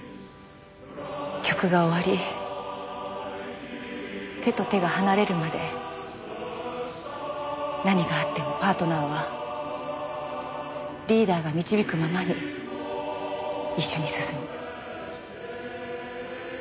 曲が終わり手と手が離れるまで何があってもパートナーはリーダーが導くままに一緒に進む。